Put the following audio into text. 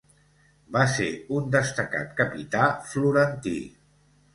Va ser un destacat capità florentí.